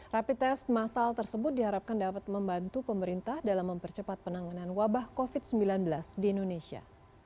rapid test masal tersebut diharapkan dapat membantu pemerintah dalam mempercepat penanganan wabah covid sembilan belas di indonesia